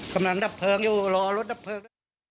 กำลังดับเพลิงอยู่รอรถดับเพลิง